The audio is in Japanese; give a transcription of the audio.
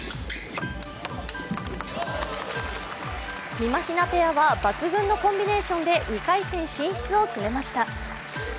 みまひなペアは抜群のコンビネーションで２回戦進出を決めました。